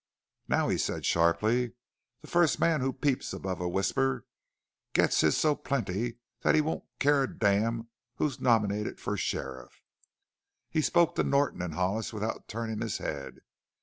"Now," he said sharply, "the first man who peeps above a whisper gets his so plenty that he won't care a damn who's nominated for sheriff!" He spoke to Norton and Hollis without turning his head.